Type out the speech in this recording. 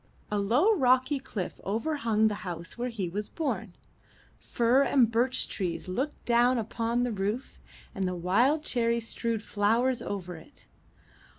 A low, rocky cliff over hung the house where he was born; fir and birch trees looked down upon the roof, and the wild cherry strewed flowers over it.